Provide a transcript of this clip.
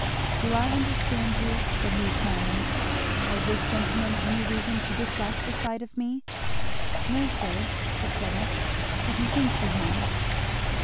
"Do I understand you?" said he smiling. "Has this gentleman any reason to dislike the sight of me?" "No sir," said Fleda, "but he thinks he has."